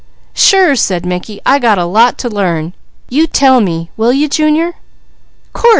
"Sure!" said Mickey. "I got a lot to learn. You tell me, will you Junior?" "Course!"